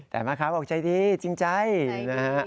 แต่แม่ค้าบอกใจดีจริงใจนะฮะ